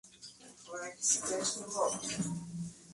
que piensan que estás loco